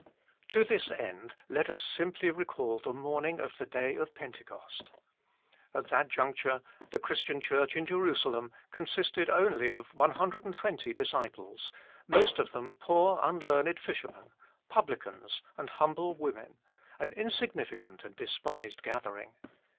To this end, let us simply recall the morning of the day of Pentecost. At that juncture the Christian Church in Jerusalem consisted only of one hundred and twenty disciples, most of them poor unlearned fishermen, publicans, and 1 1 Cor. xii. 26. HOW GLORIOUS IT IS 33 humble women, an insignificant and despised gathering.